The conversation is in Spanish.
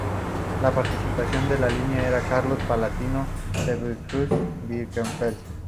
El patriarca de la línea era Carlos I del Palatinado-Zweibrücken-Birkenfeld.